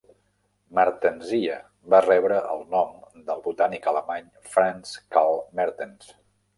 "Mertensia" va rebre el nom del botànic alemany, Franz Carl Mertens.